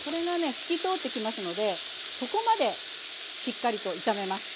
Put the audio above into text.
透き通ってきますのでそこまでしっかりと炒めます。